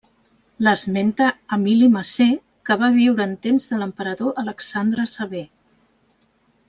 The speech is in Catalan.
L'esmenta Emili Macer que va viure en temps de l'emperador Alexandre Sever.